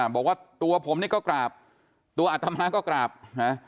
บอกว่าตัวผมนี่ก็กราบตัวอัตมาก็กราบนะ